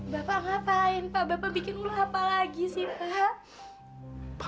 bapak ngapain pak bapak bikin ulah apa lagi sih pak